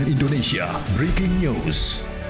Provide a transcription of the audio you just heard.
indonesia breaking news